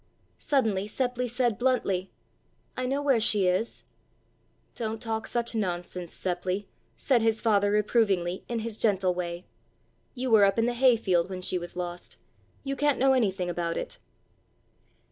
Suddenly Seppli said bluntly: "I know where she is." "Don't talk such nonsense, Seppli," said his father reprovingly in his gentle way, "you were up in the hay field when she was lost; you can't know anything about it."